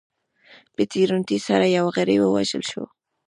په تېروتنې سره یو غړی ووژل شو.